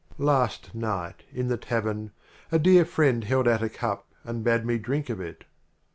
LVIII. Last night, in the Tavern, a Dear Friend Held out a Cup and bade me drink of it.